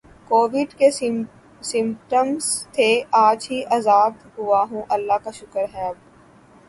Covid کے symptoms تھے اج ہی ازاد ہوا ہوں اللہ کا شکر ہے اب